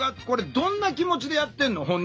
これどんな気持ちでやってんの？